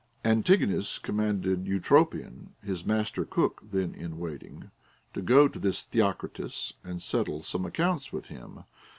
Antigonus commanded Entropion his master cook (then in waiting) to go to this Theocritus and settle some accounts with him.